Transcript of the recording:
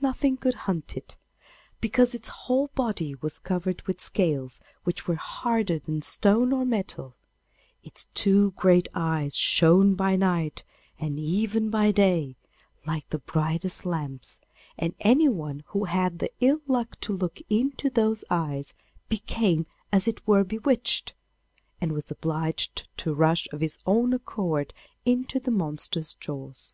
Nothing could hunt it, because its whole body was covered with scales, which were harder than stone or metal; its two great eyes shone by night, and even by day, like the brightest lamps, and anyone who had the ill luck to look into those eyes became as it were bewitched, and was obliged to rush of his own accord into the monster's jaws.